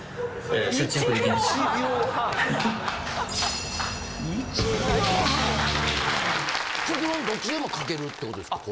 基本どっちでも書けるってことですか？